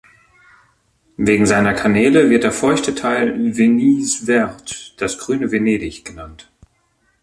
Wegen seiner Kanäle wird der feuchte Teil "Venise Verte", das grüne Venedig, genannt.